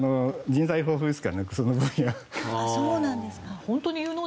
人材豊富ですからね、その分野。